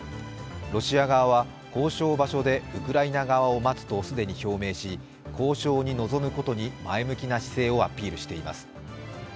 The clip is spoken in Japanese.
ロシア側は、交渉場所でウクライナ側を待つと既に表明し交渉に臨むことに前向きな姿勢をアピールしています。